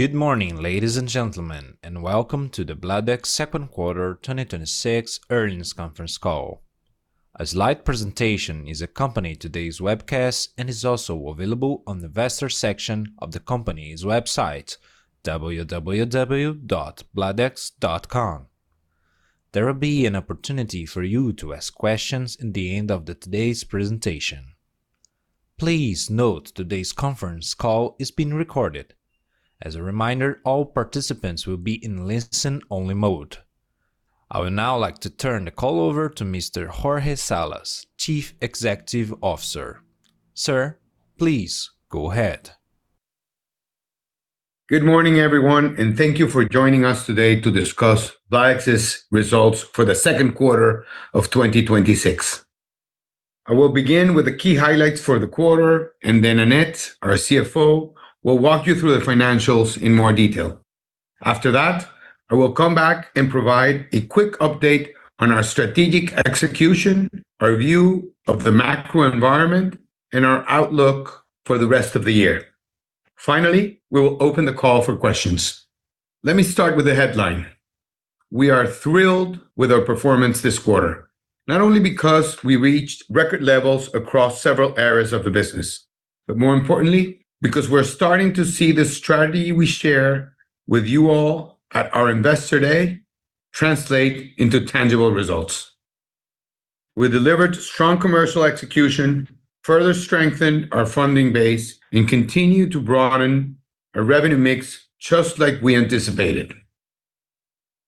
Good morning, ladies and gentlemen, and welcome to the Bladex second quarter 2026 earnings conference call. A slide presentation is accompanying today's webcast and is also available on the investor section of the company's website, www.bladex.com. There will be an opportunity for you to ask questions at the end of today's presentation. Please note today's conference call is being recorded. As a reminder, all participants will be in listen-only mode. I would now like to turn the call over to Mr. Jorge Salas, Chief Executive Officer. Sir, please go ahead. Good morning, everyone, and thank you for joining us today to discuss Bladex's results for the second quarter of 2026. I will begin with the key highlights for the quarter. Then Annette, our CFO, will walk you through the financials in more detail. After that, I will come back and provide a quick update on our strategic execution, our view of the macro environment, and our outlook for the rest of the year. Finally, we will open the call for questions. Let me start with the headline. We are thrilled with our performance this quarter. Not only because we reached record levels across several areas of the business, more importantly, because we're starting to see the strategy we shared with you all at our Investor Day translate into tangible results. We delivered strong commercial execution, further strengthened our funding base, and continued to broaden our revenue mix just like we anticipated.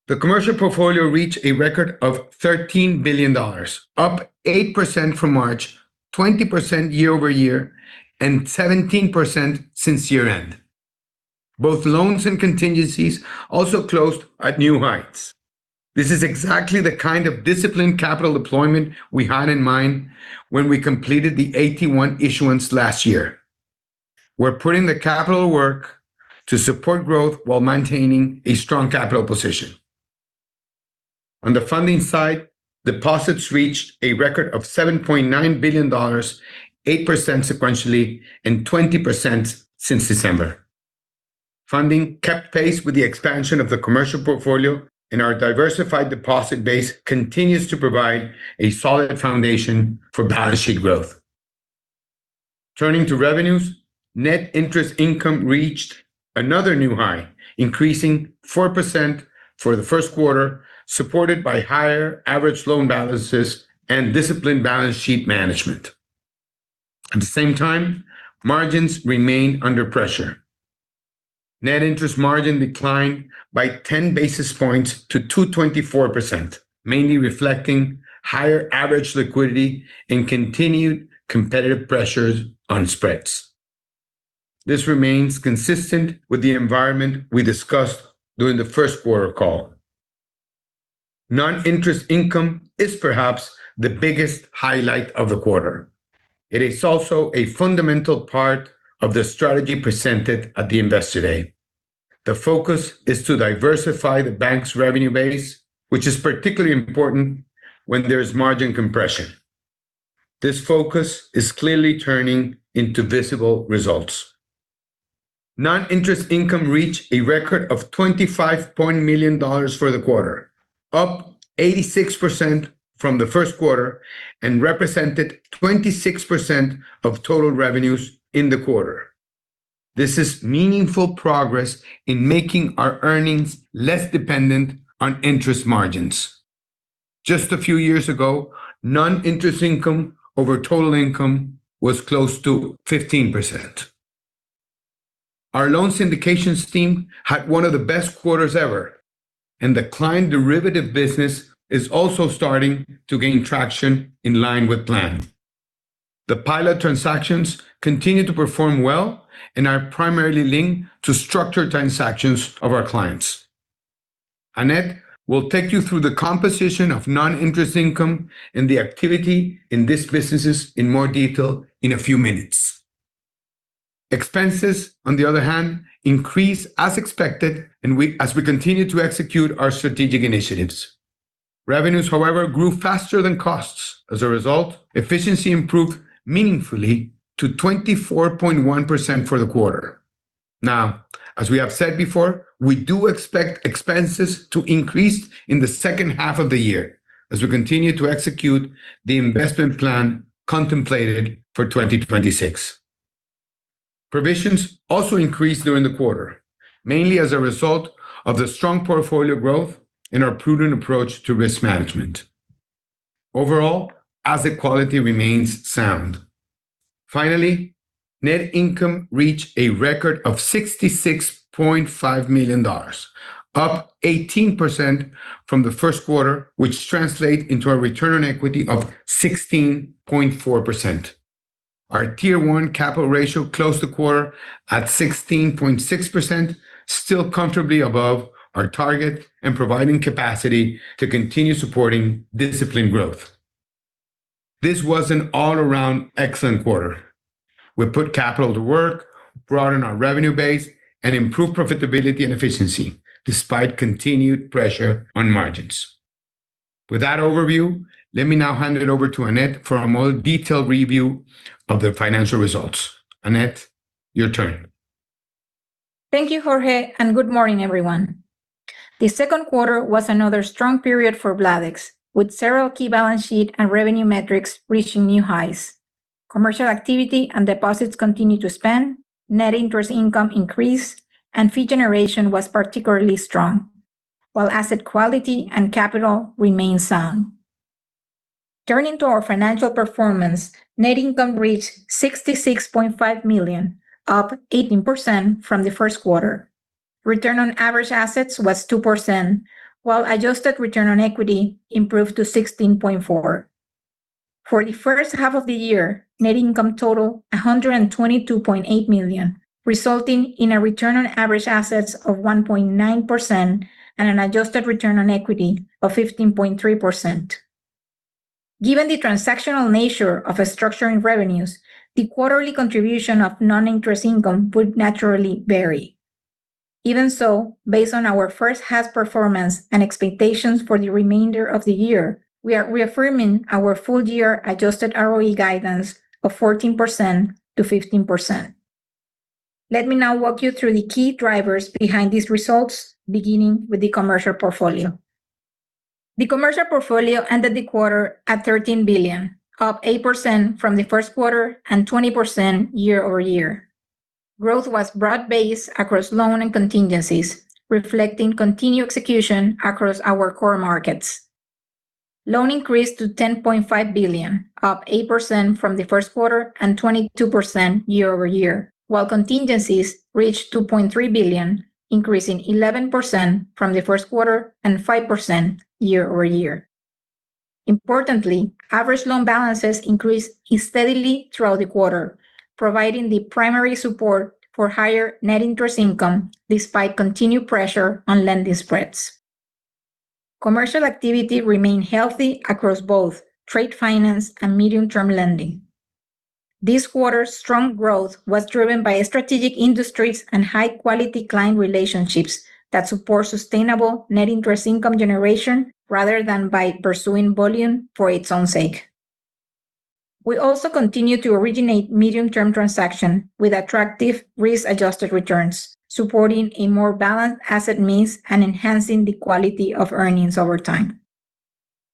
The commercial portfolio reached a record of $13 billion, up 8% from March, 20% year-over-year, and 17% since year end. Both loans and contingencies also closed at new heights. This is exactly the kind of disciplined capital deployment we had in mind when we completed the AT1 issuance last year. We're putting the capital work to support growth while maintaining a strong capital position. On the funding side, deposits reached a record of $7.9 billion, 8% sequentially and 20% since December. Funding kept pace with the expansion of the commercial portfolio. Our diversified deposit base continues to provide a solid foundation for balance sheet growth. Turning to revenues, net interest income reached another new high, increasing 4% for the first quarter, supported by higher average loan balances and disciplined balance sheet management. At the same time, margins remained under pressure. Net interest margin declined by 10 basis points to 2.24%, mainly reflecting higher average liquidity and continued competitive pressures on spreads. This remains consistent with the environment we discussed during the first quarter call. Non-interest income is perhaps the biggest highlight of the quarter. It is also a fundamental part of the strategy presented at the Investor Day. The focus is to diversify the bank's revenue base, which is particularly important when there's margin compression. This focus is clearly turning into visible results. Non-interest income reached a record of $25 million for the quarter, up 86% from the first quarter, and represented 26% of total revenues in the quarter. This is meaningful progress in making our earnings less dependent on interest margins. Just a few years ago, non-interest income over total income was close to 15%. Our loan syndications team had one of the best quarters ever, the client derivative business is also starting to gain traction in line with plan. The pilot transactions continue to perform well and are primarily linked to structured transactions of our clients. Annette will take you through the composition of non-interest income and the activity in these businesses in more detail in a few minutes. Expenses, on the other hand, increased as expected as we continue to execute our strategic initiatives. Revenues, however, grew faster than costs. As a result, efficiency improved meaningfully to 24.1% for the quarter. As we have said before, we do expect expenses to increase in the second half of the year as we continue to execute the investment plan contemplated for 2026. Provisions also increased during the quarter, mainly as a result of the strong portfolio growth and our prudent approach to risk management. Overall, asset quality remains sound. Finally, net income reached a record of $66.5 million, up 18% from the first quarter, which translates into a return on equity of 16.4%. Our Tier 1 capital ratio closed the quarter at 16.6%, still comfortably above our target and providing capacity to continue supporting disciplined growth. This was an all-around excellent quarter. We put capital to work, broadened our revenue base, and improved profitability and efficiency despite continued pressure on margins. With that overview, let me now hand it over to Annette for a more detailed review of the financial results. Annette, your turn. Thank you, Jorge, Good morning, everyone. The second quarter was another strong period for Bladex, with several key balance sheet and revenue metrics reaching new highs. Commercial activity and deposits continued to expand, net interest income increased, and fee generation was particularly strong, while asset quality and capital remained sound. Turning to our financial performance, net income reached $66.5 million, up 18% from the first quarter. Return on average assets was 2%, while adjusted return on equity improved to 16.4%. For the first half of the year, net income totaled $122.8 million, resulting in a return on average assets of 1.9% and an adjusted return on equity of 15.3%. Given the transactional nature of our structuring revenues, the quarterly contribution of non-interest income would naturally vary. Even so, based on our first half's performance and expectations for the remainder of the year, we are reaffirming our full-year adjusted ROE guidance of 14%-15%. Let me now walk you through the key drivers behind these results, beginning with the commercial portfolio. The commercial portfolio ended the quarter at $13 billion, up 8% from the first quarter and 20% year-over-year. Growth was broad-based across loan and contingencies, reflecting continued execution across our core markets. Loan increased to $10.5 billion, up 8% from the first quarter and 22% year-over-year, while contingencies reached $2.3 billion, increasing 11% from the first quarter and 5% year-over-year. Importantly, average loan balances increased steadily throughout the quarter, providing the primary support for higher net interest income despite continued pressure on lending spreads. Commercial activity remained healthy across both trade finance and medium-term lending. This quarter's strong growth was driven by strategic industries and high-quality client relationships that support sustainable net interest income generation rather than by pursuing volume for its own sake. We also continue to originate medium-term transactions with attractive risk-adjusted returns, supporting a more balanced asset mix and enhancing the quality of earnings over time.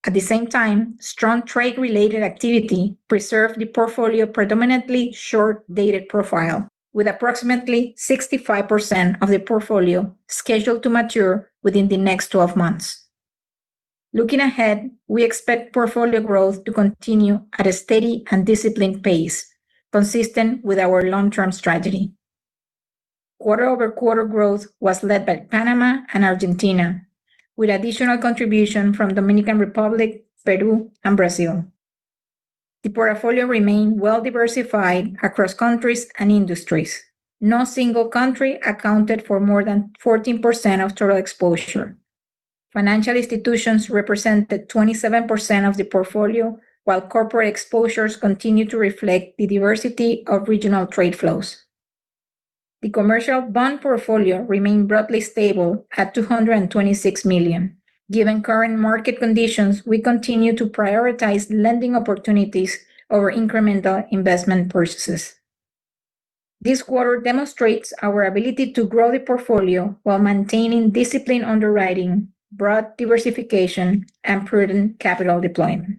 At the same time, strong trade-related activity preserved the portfolio predominantly short-dated profile, with approximately 65% of the portfolio scheduled to mature within the next 12 months. Looking ahead, we expect portfolio growth to continue at a steady and disciplined pace, consistent with our long-term strategy. Quarter-over-quarter growth was led by Panama and Argentina, with additional contribution from Dominican Republic, Peru, and Brazil. The portfolio remained well diversified across countries and industries. No single country accounted for more than 14% of total exposure. Financial institutions represented 27% of the portfolio, while corporate exposures continue to reflect the diversity of regional trade flows. The commercial bond portfolio remained broadly stable at $226 million. Given current market conditions, we continue to prioritize lending opportunities over incremental investment purchases. This quarter demonstrates our ability to grow the portfolio while maintaining disciplined underwriting, broad diversification, and prudent capital deployment.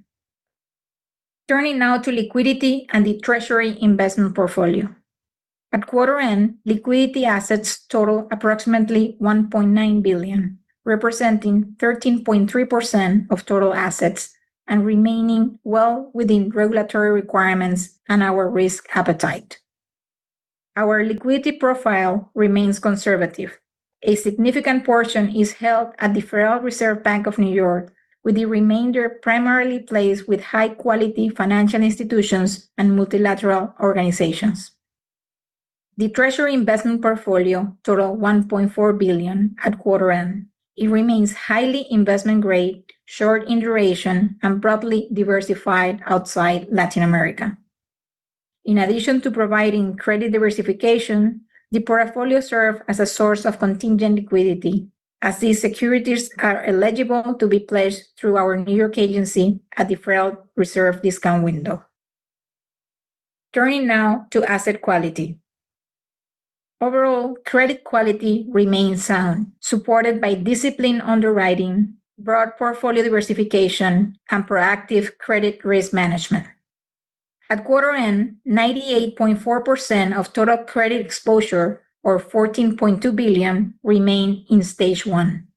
Turning now to liquidity and the treasury investment portfolio. At quarter end, liquidity assets total approximately $1.9 billion, representing 13.3% of total assets and remaining well within regulatory requirements and our risk appetite. Our liquidity profile remains conservative. A significant portion is held at the Federal Reserve Bank of New York, with the remainder primarily placed with high-quality financial institutions and multilateral organizations. The treasury investment portfolio totaled $1.4 billion at quarter end. It remains highly investment-grade, short in duration, and broadly diversified outside Latin America. In addition to providing credit diversification, the portfolio serves as a source of contingent liquidity as these securities are eligible to be pledged through our New York agency at the Federal Reserve discount window. Turning now to asset quality. Overall, credit quality remains sound, supported by disciplined underwriting, broad portfolio diversification, and proactive credit risk management. At quarter end, 98.4% of total credit exposure, or $14.2 billion, remained in stage one.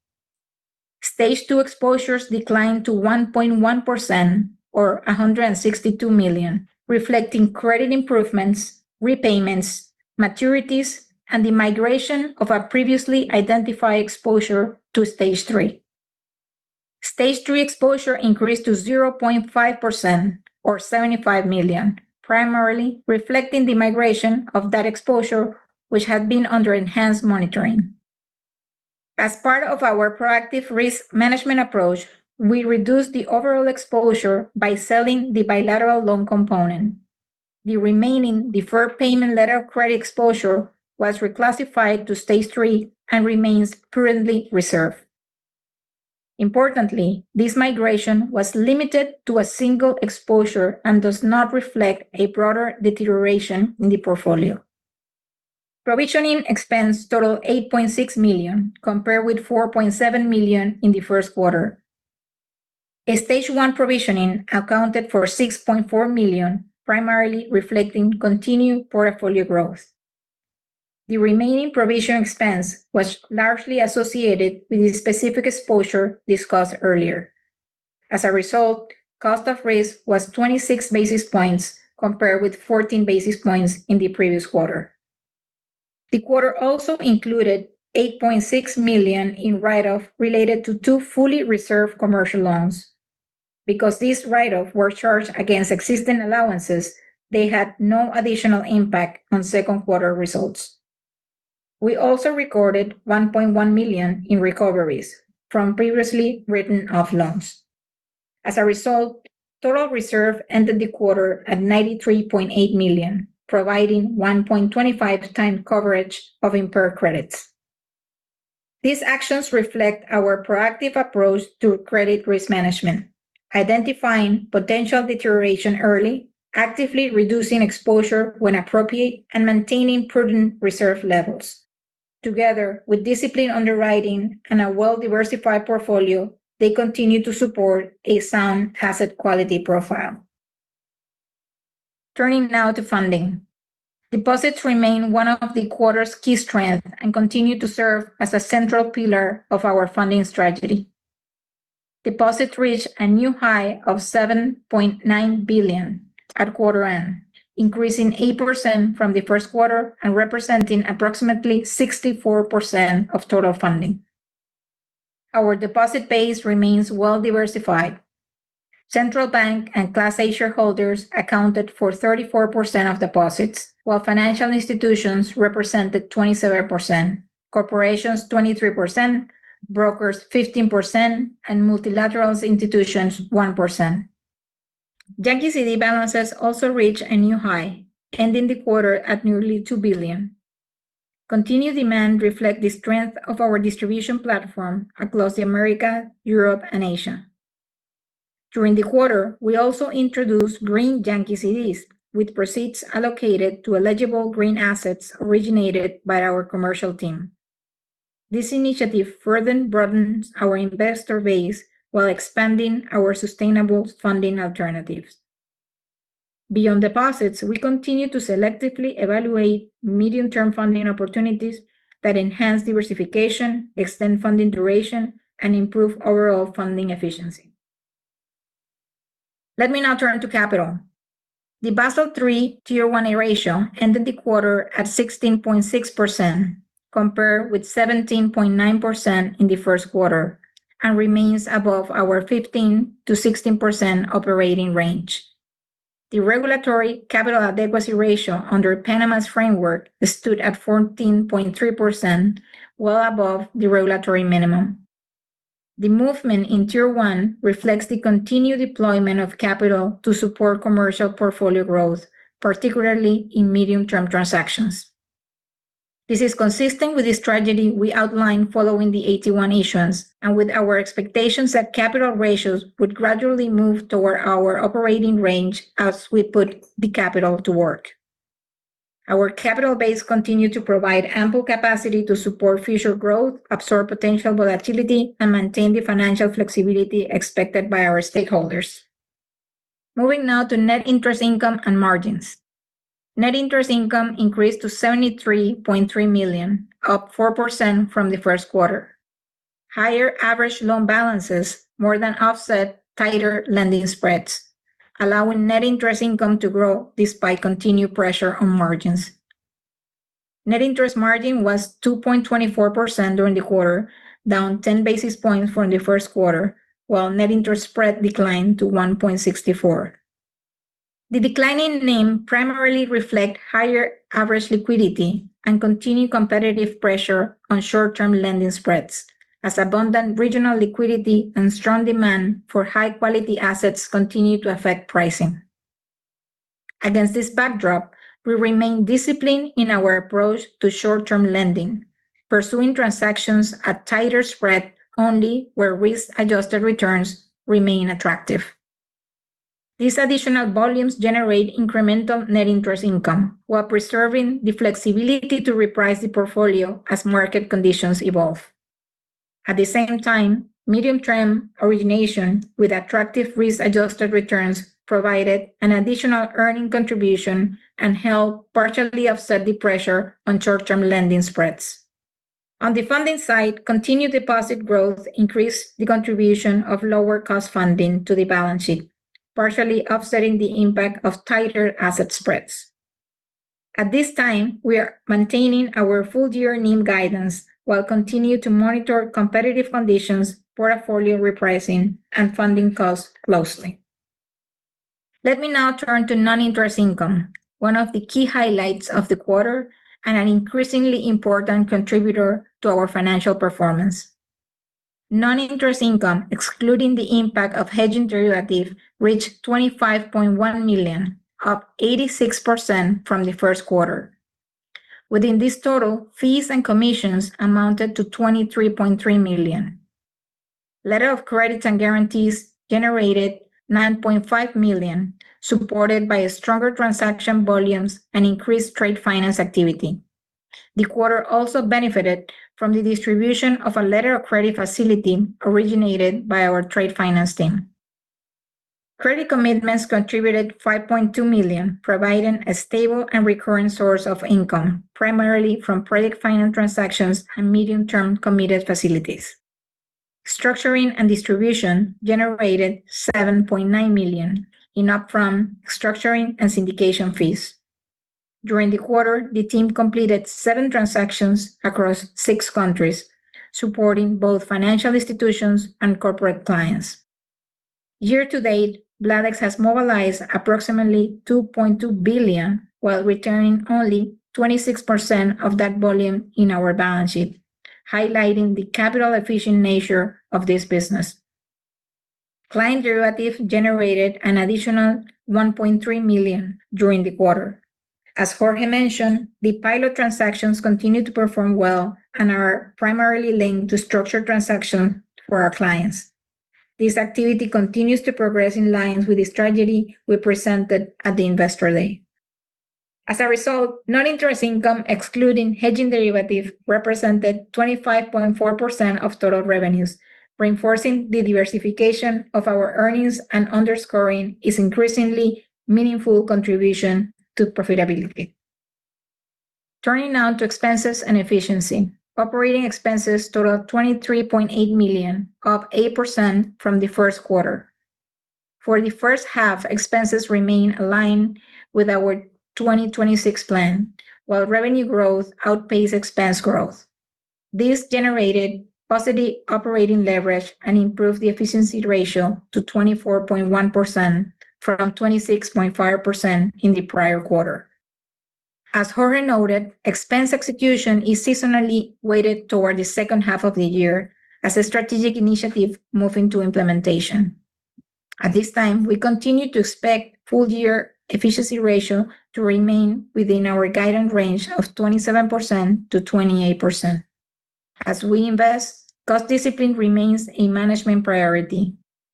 Stage two exposures declined to 1.1%, or $162 million, reflecting credit improvements, repayments, maturities, and the migration of our previously identified exposure to stage three. Stage three exposure increased to 0.5%, or $75 million, primarily reflecting the migration of that exposure which had been under enhanced monitoring. As part of our proactive risk management approach, we reduced the overall exposure by selling the bilateral loan component. The remaining deferred payment letter of credit exposure was reclassified to stage three and remains currently reserved. Importantly, this migration was limited to a single exposure and does not reflect a broader deterioration in the portfolio. Provisioning expense totaled $8.6 million, compared with $4.7 million in the first quarter. Stage one provisioning accounted for $6.4 million, primarily reflecting continued portfolio growth. The remaining provision expense was largely associated with the specific exposure discussed earlier. As a result, cost of risk was 26 basis points compared with 14 basis points in the previous quarter. The quarter also included $8.6 million in write-off related to two fully reserved commercial loans. Because these write-offs were charged against existing allowances, they had no additional impact on second quarter results. We also recorded $1.1 million in recoveries from previously written off loans. As a result, total reserve ended the quarter at $93.8 million, providing 1.25x coverage of impaired credits. These actions reflect our proactive approach to credit risk management, identifying potential deterioration early, actively reducing exposure when appropriate, and maintaining prudent reserve levels. Together with disciplined underwriting and a well-diversified portfolio, they continue to support a sound asset quality profile. Turning now to funding. Deposits remain one of the quarter's key strengths and continue to serve as a central pillar of our funding strategy. Deposits reached a new high of $7.9 billion at quarter end, increasing 8% from the first quarter and representing approximately 64% of total funding. Our deposit base remains well-diversified. Central bank and Class A shareholders accounted for 34% of deposits, while financial institutions represented 27%, corporations 23%, brokers 15%, and multilateral institutions 1%. Yankee CD balances also reached a new high, ending the quarter at nearly $2 billion. Continued demand reflect the strength of our distribution platform across the America, Europe, and Asia. During the quarter, we also introduced Green Yankee CDs, with proceeds allocated to eligible green assets originated by our commercial team. This initiative further broadens our investor base while expanding our sustainable funding alternatives. Beyond deposits, we continue to selectively evaluate medium-term funding opportunities that enhance diversification, extend funding duration, and improve overall funding efficiency. Let me now turn to capital. The Basel III Tier 1 ratio ended the quarter at 16.6%, compared with 17.9% in the first quarter, and remains above our 15%-16% operating range. The regulatory capital adequacy ratio under Panama's framework stood at 14.3%, well above the regulatory minimum. The movement in Tier 1 reflects the continued deployment of capital to support commercial portfolio growth, particularly in medium-term transactions. This is consistent with the strategy we outlined following the AT1 issuance and with our expectations that capital ratios would gradually move toward our operating range as we put the capital to work. Our capital base continued to provide ample capacity to support future growth, absorb potential volatility, and maintain the financial flexibility expected by our stakeholders. Moving now to net interest income and margins. Net interest income increased to $73.3 million, up 4% from the first quarter. Higher average loan balances more than offset tighter lending spreads, allowing net interest income to grow despite continued pressure on margins. Net interest margin was 2.24% during the quarter, down 10 basis points from the first quarter, while net interest spread declined to 1.64%. The decline in NIM primarily reflect higher average liquidity and continued competitive pressure on short-term lending spreads as abundant regional liquidity and strong demand for high-quality assets continue to affect pricing. Against this backdrop, we remain disciplined in our approach to short-term lending, pursuing transactions at tighter spread only where risk-adjusted returns remain attractive. These additional volumes generate incremental net interest income while preserving the flexibility to reprice the portfolio as market conditions evolve. At the same time, medium-term origination with attractive risk-adjusted returns provided an additional earning contribution and helped partially offset the pressure on short-term lending spreads. On the funding side, continued deposit growth increased the contribution of lower cost funding to the balance sheet, partially offsetting the impact of tighter asset spreads. At this time, we are maintaining our full-year NIM guidance while continuing to monitor competitive conditions, portfolio repricing, and funding costs closely. Let me now turn to non-interest income, one of the key highlights of the quarter and an increasingly important contributor to our financial performance. Non-interest income, excluding the impact of hedging derivative, reached $25.1 million, up 86% from the first quarter. Within this total, fees and commissions amounted to $23.3 million. Letter of credits and guarantees generated $9.5 million, supported by stronger transaction volumes and increased trade finance activity. The quarter also benefited from the distribution of a letter of credit facility originated by our trade finance team. Credit commitments contributed $5.2 million, providing a stable and recurring source of income, primarily from project finance transactions and medium-term committed facilities. Structuring and distribution generated $7.9 million in up-front structuring and syndication fees. During the quarter, the team completed seven transactions across six countries, supporting both financial institutions and corporate clients. Year-to-date, Bladex has mobilized approximately $2.2 billion, while retaining only 26% of that volume in our balance sheet, highlighting the capital-efficient nature of this business. Client derivative generated an additional $1.3 million during the quarter. As Jorge mentioned, the pilot transactions continue to perform well and are primarily linked to structured transactions for our clients. This activity continues to progress in line with the strategy we presented at the Investor Day. As a result, non-interest income, excluding hedging derivative, represented 25.4% of total revenues, reinforcing the diversification of our earnings and underscoring its increasingly meaningful contribution to profitability. Turning now to expenses and efficiency. Operating expenses totaled $23.8 million, up 8% from the first quarter. For the first half, expenses remain aligned with our 2026 plan, while revenue growth outpaced expense growth. This generated positive operating leverage and improved the efficiency ratio to 24.1%, from 26.5% in the prior quarter. As Jorge noted, expense execution is seasonally weighted toward the second half of the year as the strategic initiatives move into implementation. At this time, we continue to expect full-year efficiency ratio to remain within our guidance range of 27%-28%. As we invest, cost discipline remains a management priority.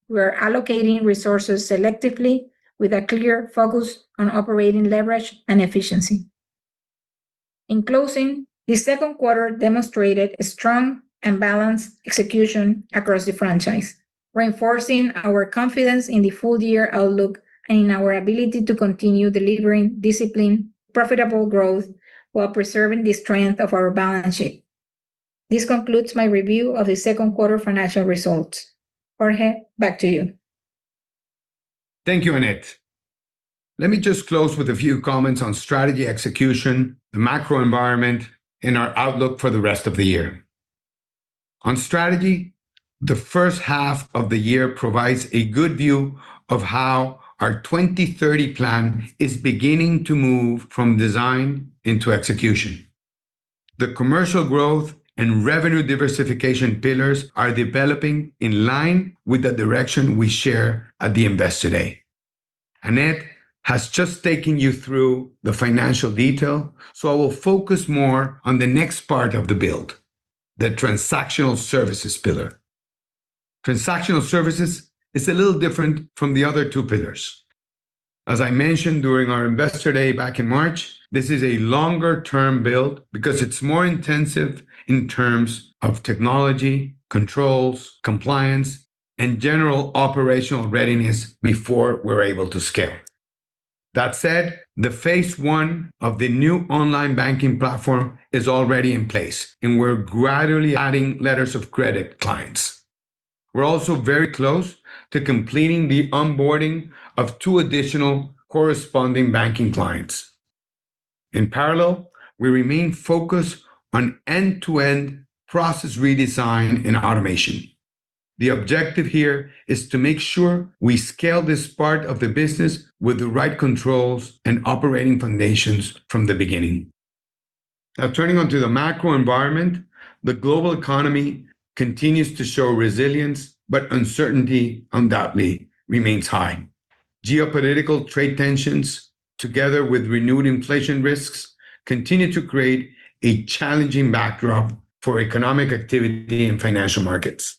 We are allocating resources selectively with a clear focus on operating leverage and efficiency. In closing, the second quarter demonstrated a strong and balanced execution across the franchise, reinforcing our confidence in the full-year outlook and in our ability to continue delivering disciplined, profitable growth while preserving the strength of our balance sheet. This concludes my review of the second quarter financial results. Jorge, back to you. Thank you, Annette. Let me just close with a few comments on strategy execution, the macro environment, and our outlook for the rest of the year. On strategy, the first half of the year provides a good view of how our 2030 plan is beginning to move from design into execution. The commercial growth and revenue diversification pillars are developing in line with the direction we shared at the Investor Day. Annette has just taken you through the financial detail, so I will focus more on the next part of the build, the transactional services pillar. Transactional services is a little different from the other two pillars. As I mentioned during our Investor Day back in March, this is a longer-term build because it's more intensive in terms of technology, controls, compliance, and general operational readiness before we're able to scale. That said, the phase I of the new online banking platform is already in place, and we're gradually adding letters of credit clients. We're also very close to completing the onboarding of two additional corresponding banking clients. In parallel, we remain focused on end-to-end process redesign and automation. The objective here is to make sure we scale this part of the business with the right controls and operating foundations from the beginning. Turning onto the macro environment. The global economy continues to show resilience, but uncertainty undoubtedly remains high. Geopolitical trade tensions, together with renewed inflation risks, continue to create a challenging backdrop for economic activity and financial markets.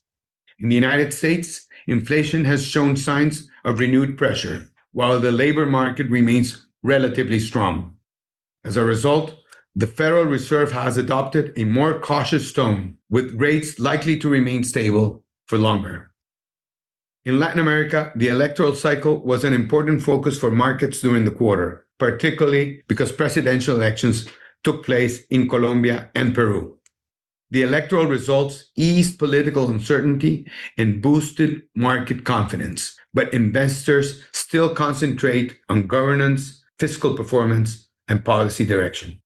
In the U.S., inflation has shown signs of renewed pressure, while the labor market remains relatively strong. The Federal Reserve has adopted a more cautious tone, with rates likely to remain stable for longer. In Latin America, the electoral cycle was an important focus for markets during the quarter, particularly because presidential elections took place in Colombia and Peru. The electoral results eased political uncertainty and boosted market confidence, but investors still concentrate on governance, fiscal performance, and policy direction.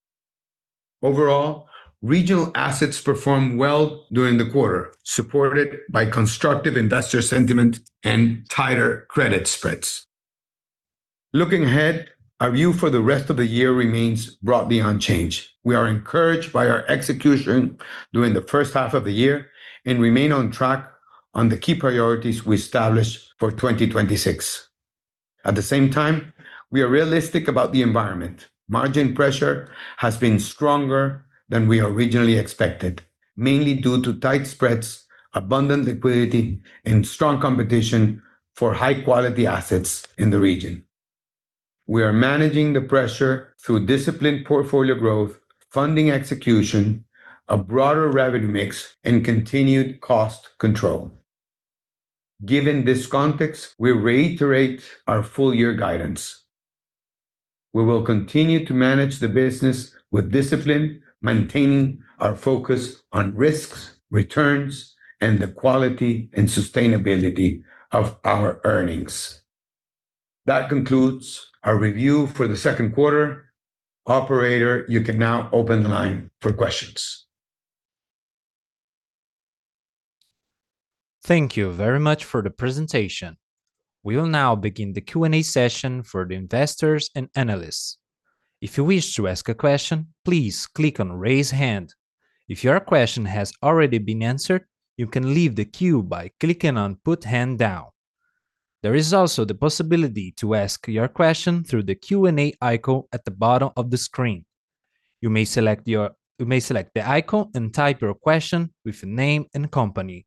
Regional assets performed well during the quarter, supported by constructive investor sentiment and tighter credit spreads. Looking ahead, our view for the rest of the year remains broadly unchanged. We are encouraged by our execution during the first half of the year and remain on track on the key priorities we established for 2026. We are realistic about the environment. Margin pressure has been stronger than we originally expected, mainly due to tight spreads, abundant liquidity, and strong competition for high-quality assets in the region. We are managing the pressure through disciplined portfolio growth, funding execution, a broader revenue mix, and continued cost control. Given this context, we reiterate our full-year guidance. We will continue to manage the business with discipline, maintaining our focus on risks, returns, and the quality and sustainability of our earnings. That concludes our review for the second quarter. Operator, you can now open the line for questions. Thank you very much for the presentation. We will now begin the Q&A session for the investors and analysts. If you wish to ask a question, please click on Raise Hand. If your question has already been answered, you can leave the queue by clicking on Put Hand Down. There is also the possibility to ask your question through the Q&A icon at the bottom of the screen. You may select the icon and type your question with your name and company.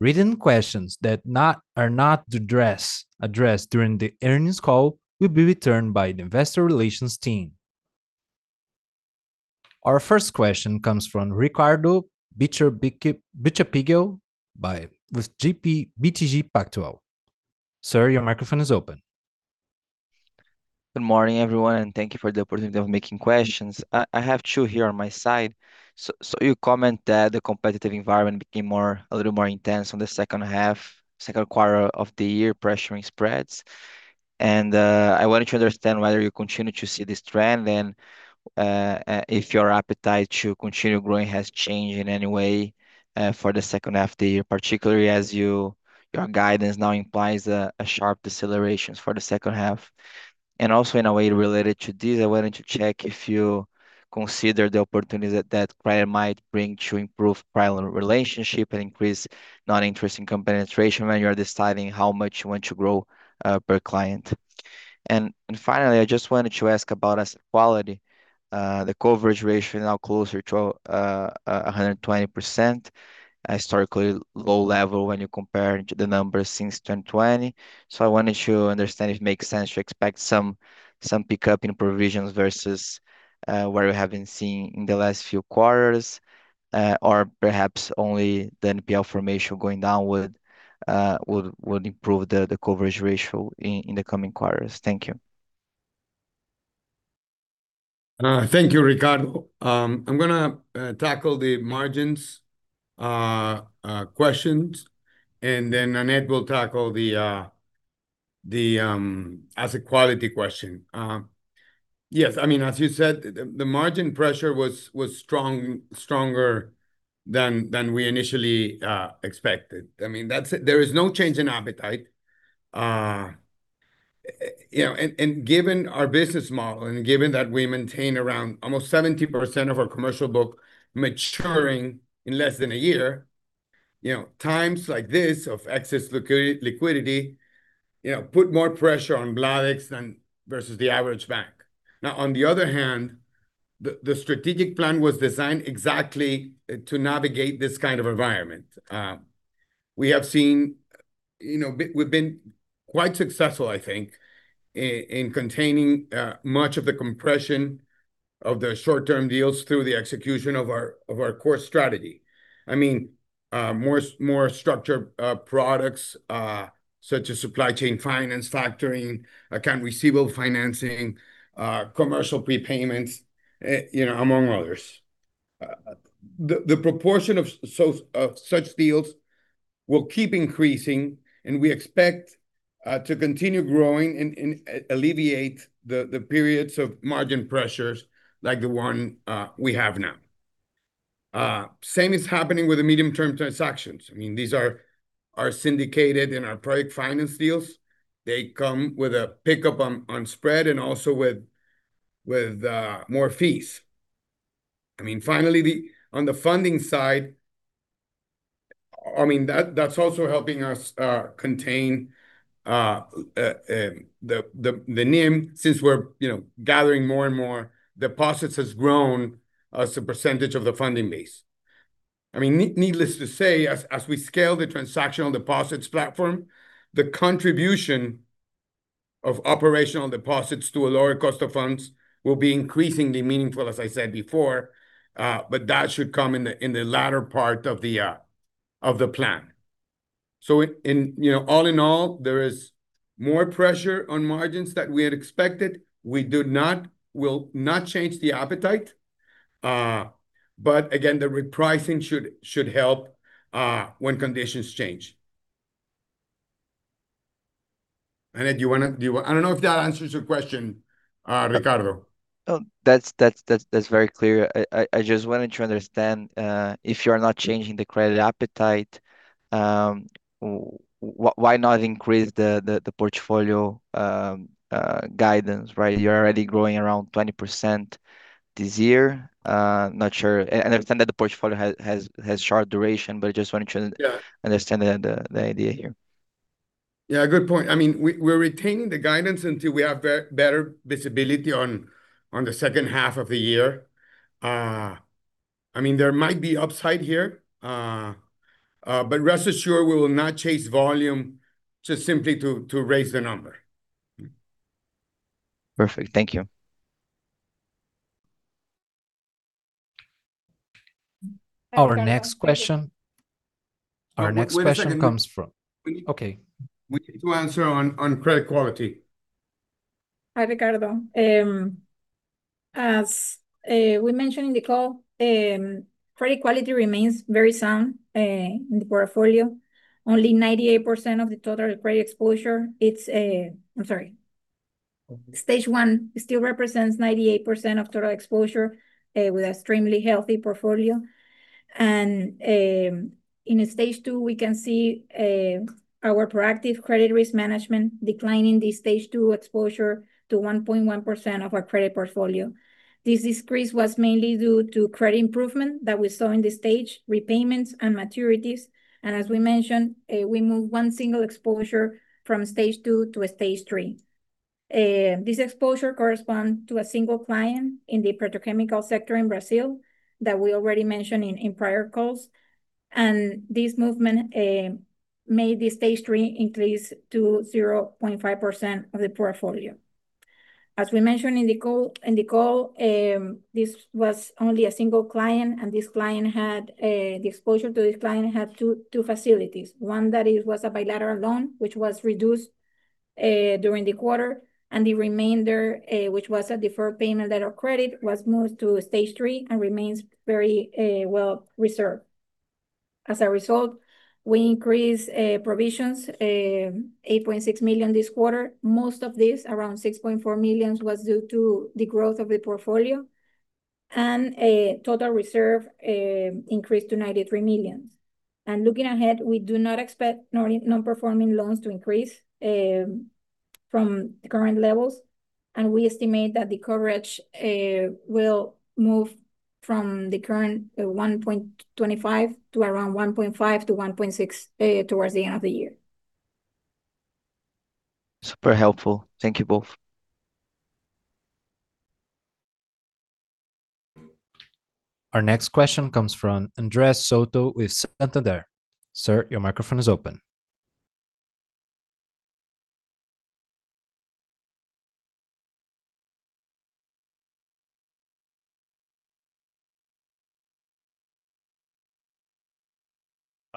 Written questions that are not addressed during the earnings call will be returned by the investor relations team. Our first question comes from Ricardo Buchpiguel with BTG Pactual. Sir, your microphone is open. Good morning, everyone, and thank you for the opportunity of making questions. I have two here on my side. You comment that the competitive environment became a little more intense on the second quarter of the year, pressuring spreads. I wanted to understand whether you continue to see this trend and if your appetite to continue growing has changed in any way for the second half of the year, particularly as your guidance now implies a sharp deceleration for the second half. Also in a way related to this, I wanted to check if you consider the opportunities that that client might bring to improve prior relationship and increase non-interest income penetration when you are deciding how much you want to grow per client. Finally, I just wanted to ask about asset quality. The coverage ratio now closer to 120%, historically low level when you compare to the numbers since 2020. I wanted to understand if it makes sense to expect some pickup in provisions versus where we have been seeing in the last few quarters. Or perhaps only the NPL formation going downward would improve the coverage ratio in the coming quarters. Thank you. Thank you, Ricardo. I'm going to tackle the margins questions, and then Annette will tackle the asset quality question. Yes, as you said, the margin pressure was stronger than we initially expected. There is no change in appetite. Given our business model, and given that we maintain around almost 70% of our commercial book maturing in less than a year, times like this of excess liquidity put more pressure on Bladex versus the average bank. On the other hand, the strategic plan was designed exactly to navigate this kind of environment. We've been quite successful, I think, in containing much of the compression of the short-term deals through the execution of our core strategy. More structured products such as supply chain finance, factoring, account receivable financing, commercial prepayments among others. The proportion of such deals will keep increasing. We expect to continue growing and alleviate the periods of margin pressures like the one we have now. Same is happening with the medium-term transactions. These are syndicated in our project finance deals. They come with a pickup on spread and also with more fees. Finally, on the funding side, that's also helping us contain the NIM since we're gathering more and more deposits has grown as a percentage of the funding base. Needless to say, as we scale the transactional deposits platform, the contribution of operational deposits to a lower cost of funds will be increasingly meaningful, as I said before, but that should come in the latter part of the plan. All in all, there is more pressure on margins than we had expected. We will not change the appetite. Again, the repricing should help when conditions change. Annette, I don't know if that answers your question Ricardo. That's very clear. I just wanted to understand, if you're not changing the credit appetite, why not increase the portfolio guidance? Right. You're already growing around 20% this year. Not sure. I understand that the portfolio has short duration. Yeah I just wanted to understand the idea here. Yeah, good point. We're retaining the guidance until we have better visibility on the second half of the year. There might be upside here, but rest assured, we will not chase volume just simply to raise the number. Perfect. Thank you. Our next question- Wait a second Our next question comes from. Okay. We need to answer on credit quality. Hi, Ricardo. As we mentioned in the call, credit quality remains very sound in the portfolio. Stage one still represents 98% of total exposure, with extremely healthy portfolio. In stage two, we can see our proactive credit risk management declining the stage two exposure to 1.1% of our credit portfolio. This decrease was mainly due to credit improvement that we saw in the stage, repayments and maturities. As we mentioned, we moved one single exposure from Stage two to Stage three. This exposure corresponds to a single client in the petrochemical sector in Brazil that we already mentioned in prior calls. This movement made the Stage 3 increase to 0.5% of the portfolio. As we mentioned in the call, this was only a single client, and the exposure to this client had two facilities. One that was a bilateral loan, which was reduced during the quarter. The remainder, which was a deferred payment letter of credit, was moved to stage three and remains very well reserved. As a result, we increased provisions, $8.6 million this quarter. Most of this, around $6.4 million, was due to the growth of the portfolio. Total reserve increased to $93 million. Looking ahead, we do not expect non-performing loans to increase from the current levels. We estimate that the coverage will move from the current 1.25 to around 1.5-1.6 towards the end of the year. Super helpful. Thank you both. Our next question comes from Andres Soto with Santander. Sir, your microphone is open.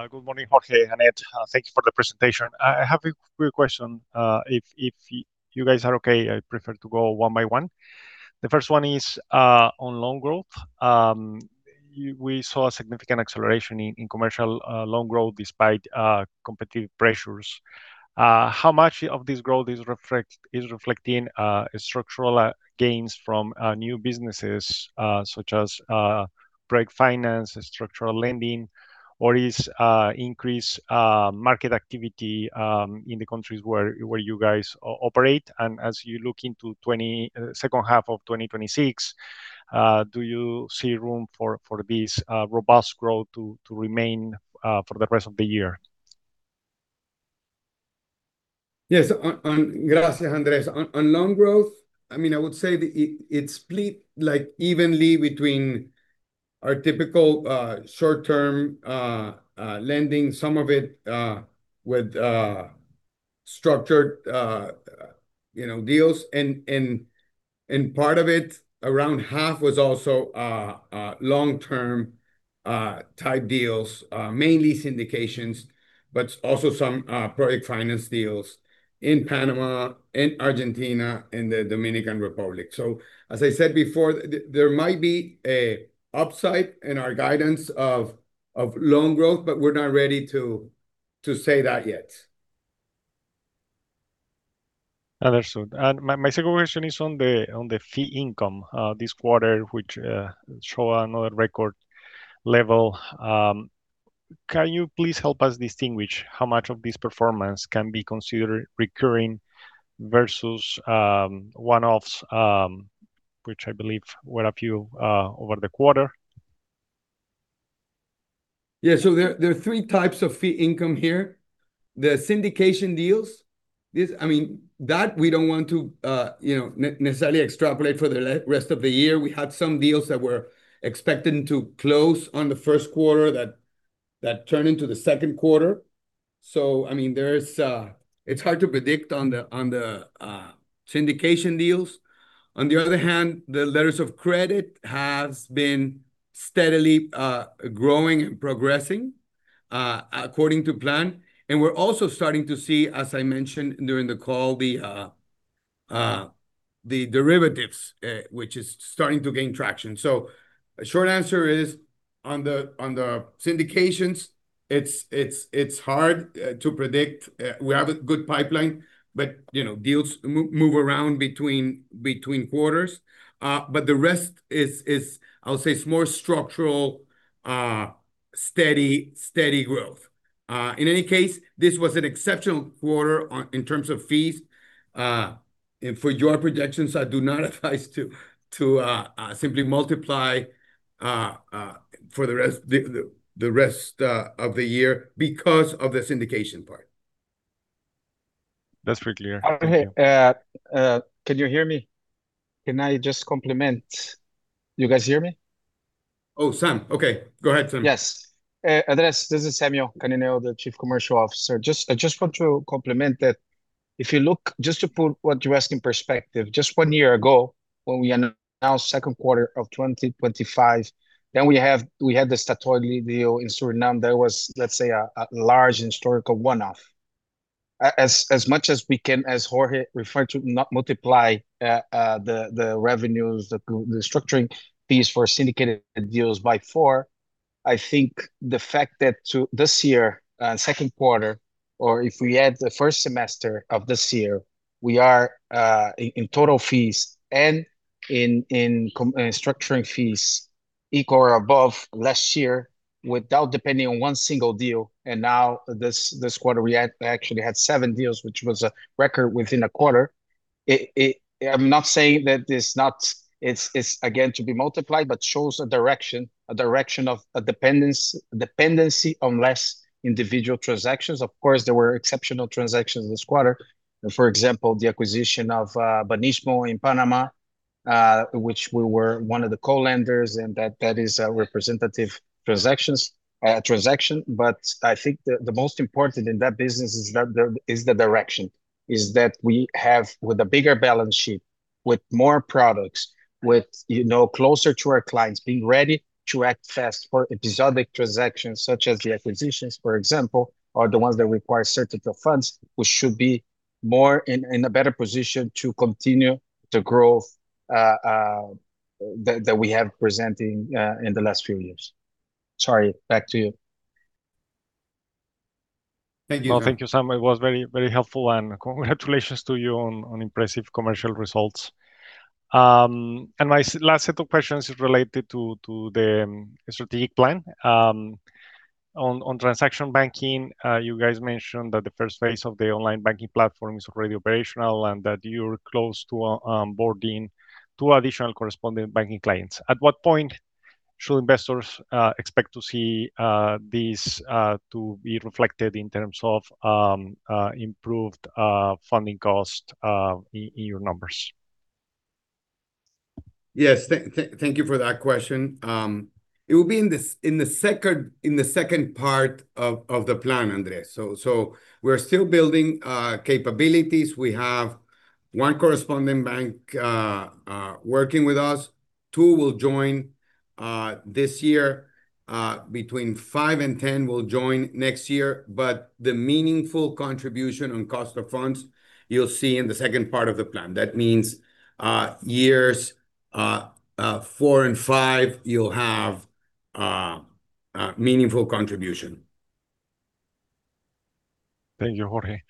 Good morning, Jorge, Annette. Thank you for the presentation. I have a quick question. If you guys are okay, I prefer to go one by one. The first one is on loan growth. We saw a significant acceleration in commercial loan growth despite competitive pressures. How much of this growth is reflecting structural gains from new businesses, such as trade finance, structural lending, or is increased market activity in the countries where you guys operate? As you look into second half of 2026, do you see room for this robust growth to remain for the rest of the year? Yes. Gracias, Andres. On loan growth, I would say that it's split evenly between our typical short-term lending, some of it with structured deals. Part of it, around half, was also long-term type deals. Mainly syndications, but also some project finance deals in Panama, in Argentina, and the Dominican Republic. As I said before, there might be a upside in our guidance of loan growth, but we're not ready to say that yet. Understood. My second question is on the fee income this quarter, which show another record level. Can you please help us distinguish how much of this performance can be considered recurring versus one-offs, which I believe were a few over the quarter? There are three types of fee income here. The syndication deals, that we don't want to necessarily extrapolate for the rest of the year. We had some deals that were expected to close on the first quarter that turned into the second quarter. It's hard to predict on the syndication deals. On the other hand, the letters of credit has been steadily growing and progressing according to plan. We're also starting to see, as I mentioned during the call, the derivatives, which is starting to gain traction. The short answer is. On the syndications, it's hard to predict. We have a good pipeline, but deals move around between quarters. The rest is, I would say, is more structural, steady growth. In any case, this was an exceptional quarter in terms of fees. For your projections, I do not advise to simply multiply for the rest of the year because of the syndication part. That's pretty clear. Thank you. Jorge, can you hear me? Can I just complement? You guys hear me? Oh, Sam. Okay. Go ahead, Sam. Yes. Andres, this is Samuel Canineu, the Chief Commercial Officer. I just want to complement that if you look, just to put what you asked in perspective, just one year ago when we announced second quarter of 2025, then we had the Staatsolie deal in Suriname that was, let's say, a large historical one-off. As much as we can, as Jorge referred to, not multiply the revenues, the structuring fees for syndicated deals by four, I think the fact that this year, second quarter, or if we add the first semester of this year, we are, in total fees and in structuring fees, equal or above last year without depending on one single deal. Now this quarter, we actually had seven deals, which was a record within a quarter. I'm not saying that it's again to be multiplied, but shows a direction of a dependency on less individual transactions. Of course, there were exceptional transactions this quarter. For example, the acquisition of Banistmo in Panama, which we were one of the co-lenders, and that is a representative transaction. I think the most important in that business is the direction, is that we have, with a bigger balance sheet, with more products, closer to our clients, being ready to act fast for episodic transactions such as the acquisitions, for example, or the ones that require certainty of funds. We should be more in a better position to continue the growth that we have presenting in the last few years. Sorry, back to you. Thank you. No, thank you, Sam. It was very, very helpful. Congratulations to you on impressive commercial results. My last set of questions is related to the strategic plan. On transaction banking, you guys mentioned that the first phase of the online banking platform is already operational and that you're close to onboarding two additional correspondent banking clients. At what point should investors expect to see these to be reflected in terms of improved funding cost in your numbers? Yes. Thank you for that question. It will be in the second part of the plan, Andres. We're still building capabilities. We have one correspondent bank working with us. Two will join this year. Between five and 10 will join next year. The meaningful contribution on cost of funds, you'll see in the second part of the plan. That means years four and five, you'll have meaningful contribution. Thank you, Jorge.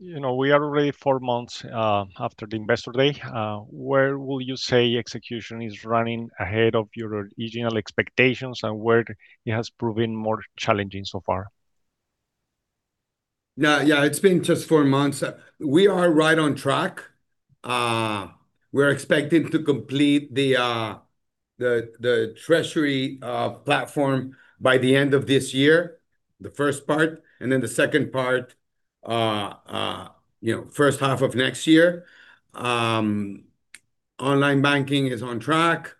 We are already four months after the Investor Day. Where will you say execution is running ahead of your original expectations, and where it has proven more challenging so far? Yeah. It's been just four months. We are right on track. We're expecting to complete the treasury platform by the end of this year, the first part. The second part, first half of next year. Online banking is on track.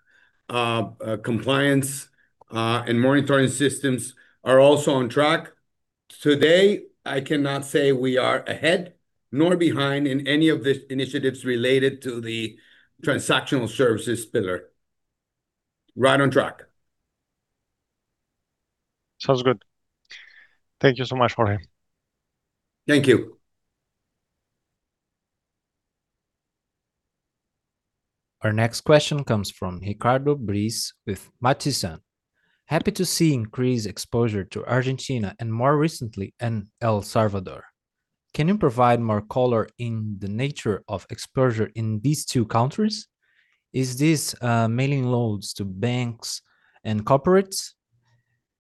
Compliance and monitoring systems are also on track. Today, I cannot say we are ahead nor behind in any of the initiatives related to the transactional services pillar. Right on track. Sounds good. Thank you so much, Jorge. Thank you. Our next question comes from Ricardo Briz with Matheson. Happy to see increased exposure to Argentina, and more recently, in El Salvador. Can you provide more color in the nature of exposure in these two countries? Is this mainly loans to banks and corporates?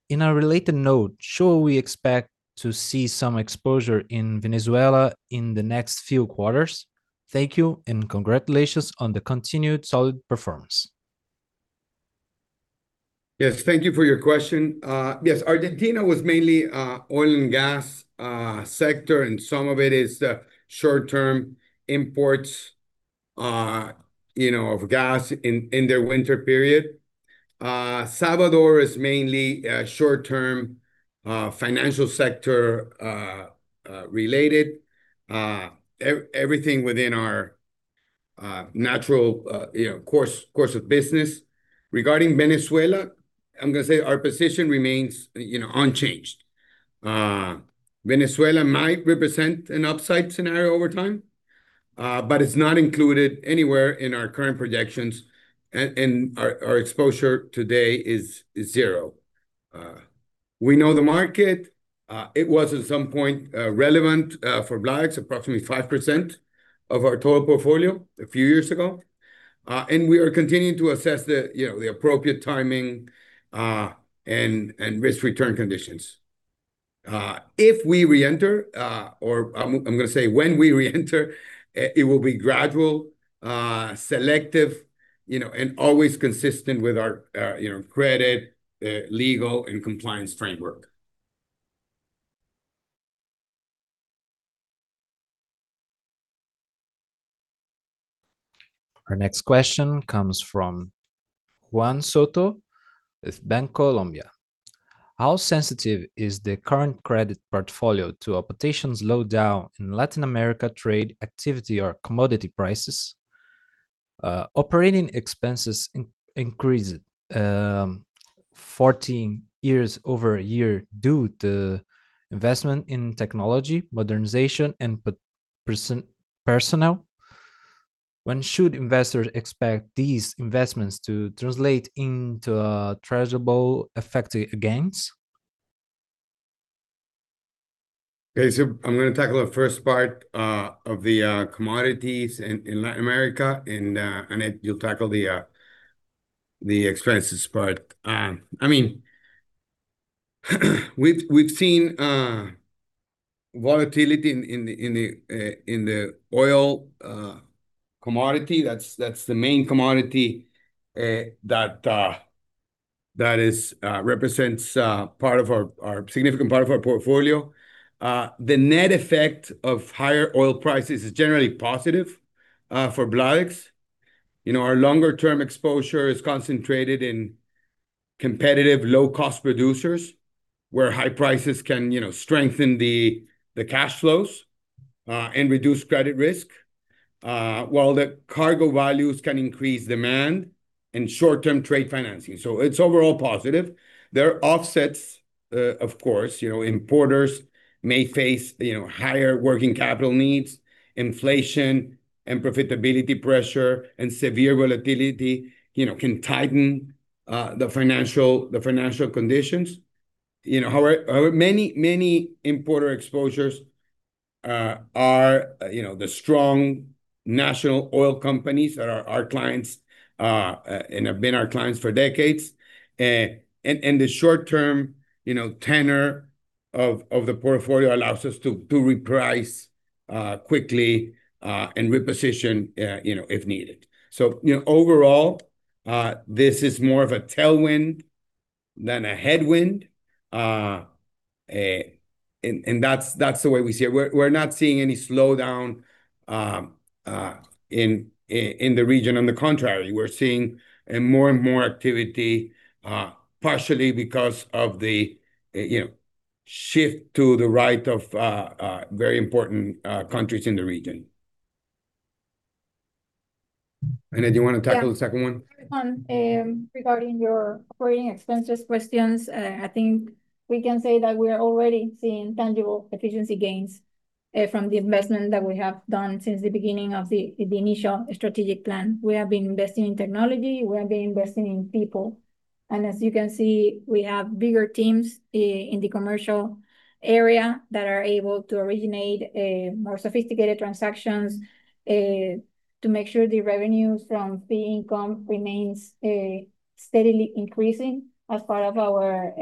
In a related note, should we expect to see some exposure in Venezuela in the next few quarters? Thank you, and congratulations on the continued solid performance. Yes. Thank you for your question. Yes. Argentina was mainly oil and gas sector, and some of it is short-term imports of gas in their winter period. Salvador is mainly short-term financial sector related. Everything within our natural course of business. Regarding Venezuela, our position remains unchanged. Venezuela might represent an upside scenario over time, but it's not included anywhere in our current projections, and our exposure today is zero. We know the market. It was, at some point, relevant for Bladex, approximately 5% of our total portfolio a few years ago. We are continuing to assess the appropriate timing and risk-return conditions. If we re-enter, or when we re-enter, it will be gradual, selective, and always consistent with our credit, legal, and compliance framework. Our next question comes from Juan Soto with Bancolombia. How sensitive is the current credit portfolio to a potential slowdown in Latin America trade activity or commodity prices? Operating expenses increased 14% year-over-year due to investment in technology, modernization, and personnel. When should investors expect these investments to translate into measurable effective gains? I will tackle the first part of the commodities in Latin America, and, Annette, you'll tackle the expenses part. We've seen volatility in the oil commodity. That's the main commodity that represents a significant part of our portfolio. The net effect of higher oil prices is generally positive for Bladex. Our longer-term exposure is concentrated in competitive, low-cost producers, where high prices can strengthen the cash flows and reduce credit risk, while the cargo values can increase demand and short-term trade financing. It's overall positive. There are offsets, of course. Importers may face higher working capital needs. Inflation and profitability pressure and severe volatility can tighten the financial conditions. However, many importer exposures are the strong national oil companies that are our clients and have been our clients for decades. The short-term tenor of the portfolio allows us to reprice quickly and reposition if needed. Overall, this is more of a tailwind than a headwind, and that's the way we see it. We're not seeing any slowdown in the region. On the contrary, we're seeing more and more activity, partially because of the shift to the right of very important countries in the region. Annette, do you want to tackle the second one? Yeah. Regarding your operating expenses questions, I think we can say that we are already seeing tangible efficiency gains from the investment that we have done since the beginning of the initial strategic plan. We have been investing in technology, we have been investing in people. As you can see, we have bigger teams in the commercial area that are able to originate more sophisticated transactions to make sure the revenue from fee income remains steadily increasing as part of our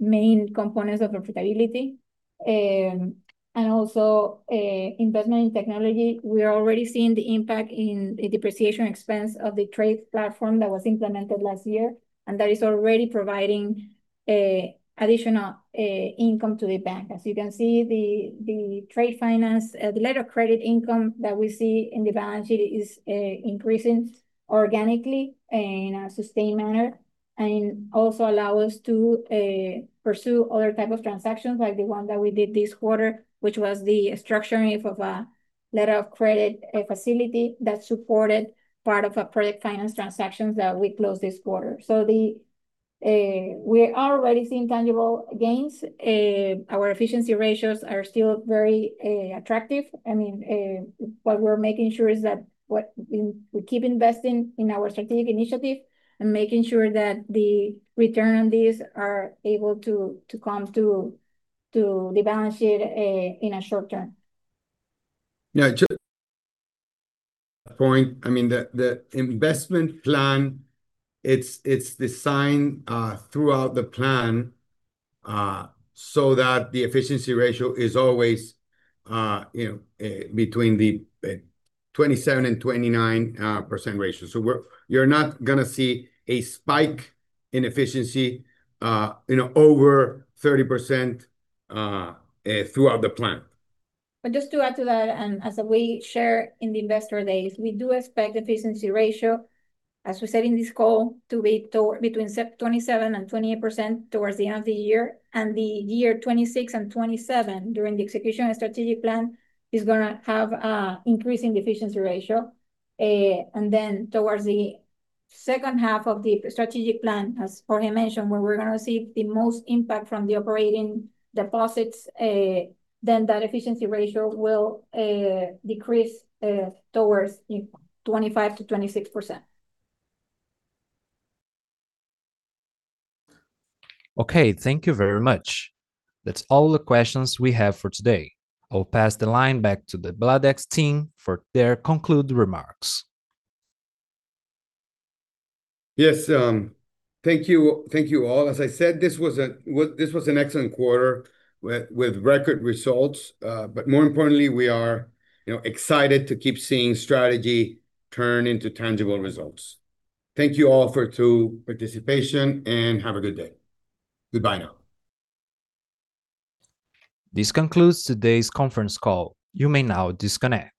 main components of profitability. Investment in technology, we are already seeing the impact in the depreciation expense of the trade platform that was implemented last year, and that is already providing additional income to the bank. As you can see, the trade finance, the letter of credit income that we see in the balance sheet is increasing organically in a sustained manner and also allow us to pursue other type of transactions, like the one that we did this quarter, which was the structuring of a letter of credit, a facility that supported part of a project finance transactions that we closed this quarter. We are already seeing tangible gains. Our efficiency ratios are still very attractive. What we're making sure is that we keep investing in our strategic initiative and making sure that the return on these are able to come to the balance sheet in a short term. Yeah, just point, the investment plan, it's designed throughout the plan so that the efficiency ratio is always between the 27% and 29% ratio. You're not going to see a spike in efficiency over 30% throughout the plan. Just to add to that, as we shared in the Investor Day, we do expect efficiency ratio, as we said in this call, to be between 27% and 28% towards the half of the year. The year 2026 and 2027, during the execution of strategic plan, is going to have increasing efficiency ratio. Towards the second half of the strategic plan, as Jorge mentioned, where we're going to receive the most impact from the operating deposits, then that efficiency ratio will decrease towards 25%-26%. Okay. Thank you very much. That's all the questions we have for today. I'll pass the line back to the Bladex team for their concluding remarks. Yes. Thank you all. As I said, this was an excellent quarter with record results. More importantly, we are excited to keep seeing strategy turn into tangible results. Thank you all for your participation and have a good day. Goodbye now. This concludes today's conference call. You may now disconnect.